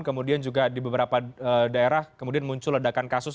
kemudian juga di beberapa daerah kemudian muncul ledakan kasus